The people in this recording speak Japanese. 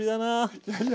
いやいや。